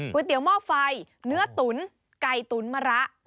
เตี๋ยหม้อไฟเนื้อตุ๋นไก่ตุ๋นมะระ